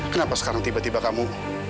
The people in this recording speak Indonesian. kenapa sekarang tiba tiba kamu